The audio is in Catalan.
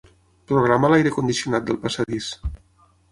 Programa l'aire condicionat del passadís.